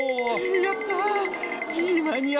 やったあ。